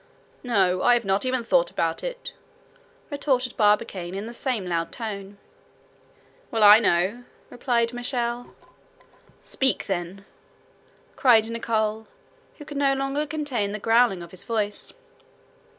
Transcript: "No, I have not even thought about it," retorted Barbicane, in the same loud tone. "Well, I know," replied Michel. "Speak, then," cried Nicholl, who could no longer contain the growling of his voice.